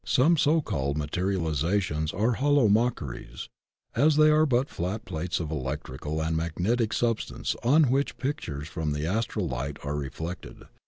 Some so called materializations are hollow mockeries, as they are but flat plates of electrical and magnetic substance on which pictures from the Astral Li^t are reflected.